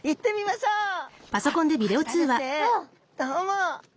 どうも。